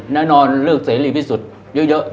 นอนเลิกเสรีพิสุทธิ์เยอะ